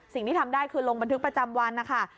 สิ่งที่ทำได้คือลงบันทึกประจำวันนะคะ